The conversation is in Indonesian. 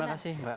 terima kasih mbak